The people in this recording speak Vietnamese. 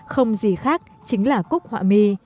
không gì khác chính là cúc họa mi